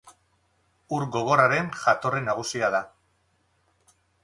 Ur gogorraren jatorri nagusia da.